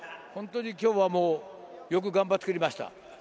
今日はよく頑張ってくれました。